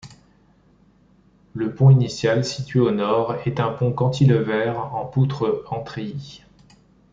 Le pont initial, situé au nord, est un pont cantilever en poutre en treillis.